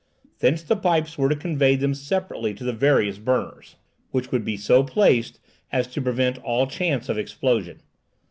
Thence the pipes were to convey them separately to the various burners, which would be so placed as to prevent all chance of explosion.